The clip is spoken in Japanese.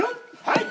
はい！